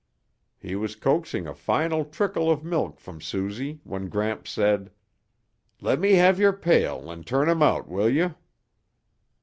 He was coaxing a final trickle of milk from Susie when Gramps said, "Let me have your pail and turn 'em out, will you?"